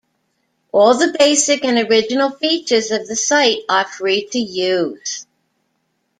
All the basic and original features of the site are free-to-use.